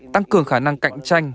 tăng cường khả năng cạnh tranh